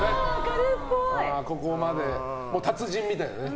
ここまで達人みたいなね。